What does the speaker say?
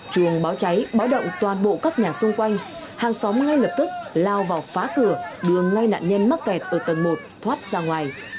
chuồng báo cháy báo động toàn bộ các nhà xung quanh hàng xóm ngay lập tức lao vào phá cửa đường ngay nạn nhân mắc kẹt ở tầng một thoát ra ngoài